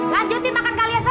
lanjutin makan kalian sana